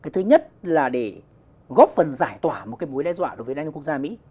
thứ nhất là để góp phần giải tỏa một mối đe dọa đối với đa dương quốc gia mỹ